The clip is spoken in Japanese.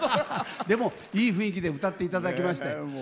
でもいい雰囲気で歌って頂きましたよ。